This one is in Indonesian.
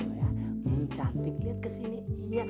lihat ke sini